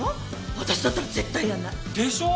私だったら絶対やらない。でしょう！？